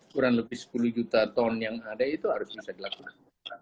kurang lebih sepuluh juta ton yang ada itu harus bisa dilakukan